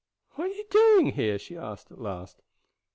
"What are you doing here?" she asked at last.